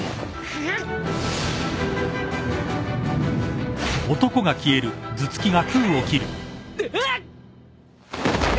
くっうわっ！？